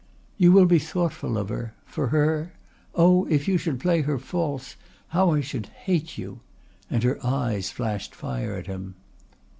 "You will be thoughtful of her, for her? Oh, if you should play her false how I should hate you!" and her eyes flashed fire at him.